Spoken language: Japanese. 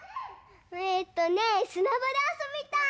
えっとねすなばであそびたい！